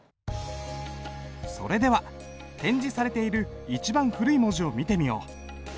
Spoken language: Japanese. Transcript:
それでは展示されている一番古い文字を見てみよう。